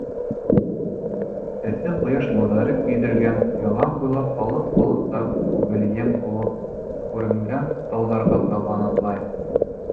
Эҫе ҡояш нурҙары көйҙөргән ялан буйлап алыҫ-алыҫта күгелйем булып күренгән тауҙарға табан атлайым.